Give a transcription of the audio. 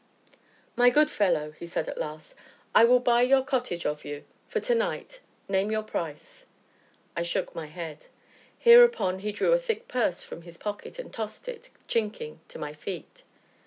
"My good fellow," said he at last, "I will buy your cottage of you for to night name your price." I shook my head. Hereupon he drew a thick purse from his pocket, and tossed it, chinking, to my feet.